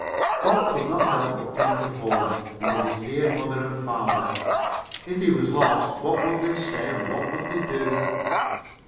Bob could not help but think of home, and of his dear mother and father. If he was lost, what would they say and what would they do?